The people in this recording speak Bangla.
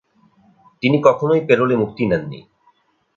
তিনি কখনোই প্যারোলে মুক্তি নেননি।